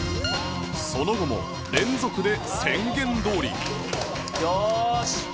その後も連続で宣言どおりよーし！